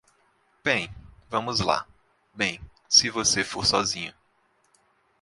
Bem, vamos lá, bem, se você for sozinho.